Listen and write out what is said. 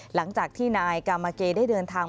หลังจากที่นายกามาเกได้เดินทาง